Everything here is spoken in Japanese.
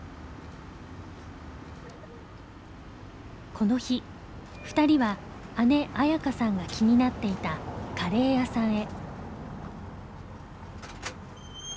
この日２人は姉紋可さんが気になっていたカレー屋さんへ。